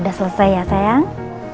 udah selesai ya sayang